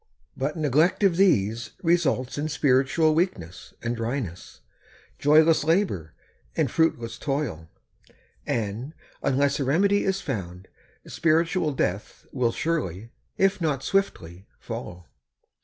But neglect of these results in spiritual weakness and dryness, joyless labour and fruitless toil, and, unless a SPIRITUAL POWER. 79 remedy is found, spiritual death will surely, if not swiftly, follow.